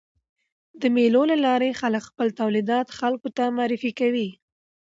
د مېلو له لاري خلک خپل تولیدات خلکو ته معرفي کوي.